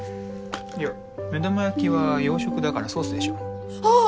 いや目玉焼きは洋食だからソースでしょあっ！